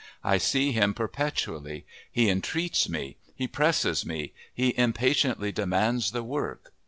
I see him perpetually; he entreats me, he presses me, he impatiently demands the work.